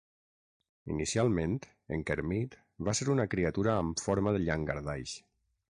Inicialment, en Kermit va ser una criatura amb forma de llangardaix.